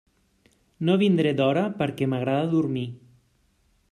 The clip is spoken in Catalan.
No vindré d'hora perquè m'agrada dormir.